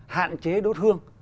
hạn chế đốt hương